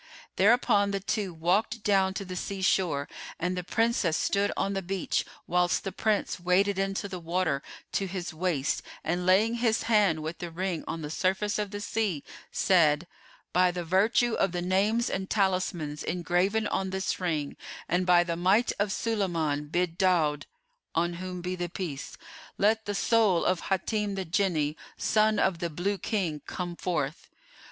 Thereupon the two walked down to the sea shore and the Princess stood on the beach, whilst the Prince waded into the water to his waist and laying his hand with the ring on the surface of the sea, said, "By the virtue of the names and talismans engraven on this ring, and by the might of Sulayman bid Dáúd (on whom be the Peace!), let the soul of Hatim the Jinni, son of the Blue King, come forth!"